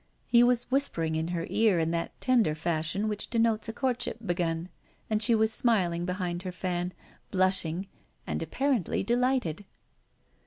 He was whispering in her ear in that tender fashion which denotes a courtship begun; and she was smiling behind her fan, blushing, and apparently delighted.